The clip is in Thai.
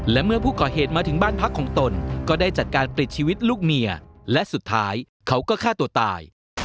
และเมื่อผู้ก่อเหตุมาถึงบ้านพักของตนก็ได้จัดการปลิดชีวิตลูกเมียและสุดท้ายเขาก็ฆ่าตัวตาย